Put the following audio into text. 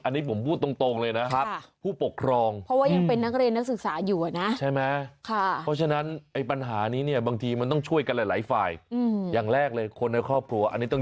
อันนี้ผมพูดตรงเลยนะครับผู้ปกครอง